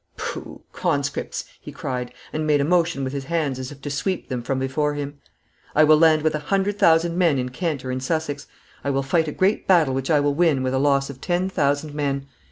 'Pooh, conscripts!' he cried, and made a motion with his hands as if to sweep them from before him. I will land with a hundred thousand men in Kent or in Sussex. I will fight a great battle which I will win with a loss of ten thousand men.